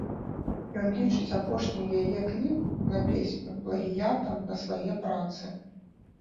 Ён лічыць апошні яе кліп на песню плагіятам на свае працы.